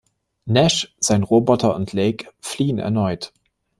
Nash, sein Roboter und Lake fliehen erneut.